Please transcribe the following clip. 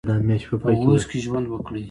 په اوس کې ژوند وکړئ